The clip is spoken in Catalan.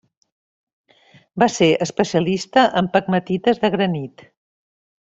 Va ser especialista en pegmatites de granit.